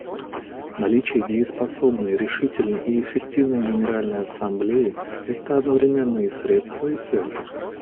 Наличие дееспособной, решительной и эффективной Генеральной Ассамблеи — это одновременно и средство, и цель.